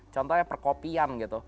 contohnya perkopian gitu